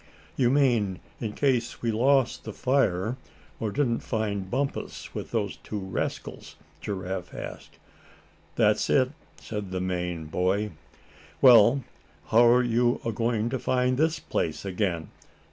"You mean in case we lost the fire, or didn't find Bumpus with those two rascals?" Giraffe asked. "That's it," said the Maine boy. "Well, how're you agoin' to find this place again?"